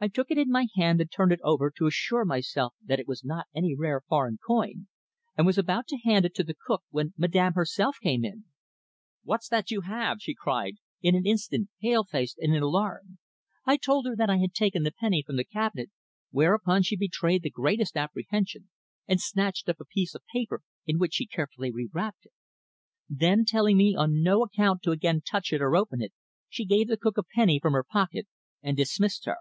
I took it in my hand and turned it over to assure myself that it was not any rare foreign coin, and was about to hand it to the cook when Madame herself came in. `What's that you have?' she cried, in an instant pale faced in alarm. I told her that I had taken the penny from the cabinet, whereupon she betrayed the greatest apprehension, and snatched up a piece of paper in which she carefully re wrapped it. Then, telling me on no account to again touch it or open it, she gave the cook a penny from her pocket and dismissed her.